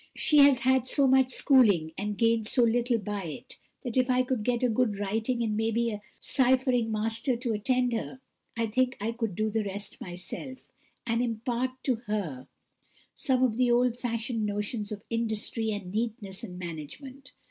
She has had so much schooling, and gained so little by it, that if I could get a good writing and maybe a ciphering master to attend her, I think I could do the rest myself, and impart to her some of the old fashioned notions of industry, and neatness, and management.